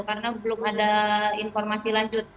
karena belum ada informasi lanjut